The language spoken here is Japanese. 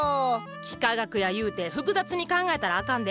幾何学やゆうて複雑に考えたらあかんで。